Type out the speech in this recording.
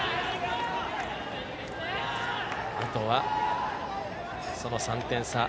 あとはその３点差。